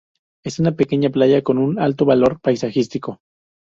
Es una pequeña playa con un alto valor paisajístico.